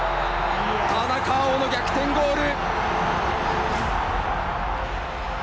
田中碧の逆転ゴール！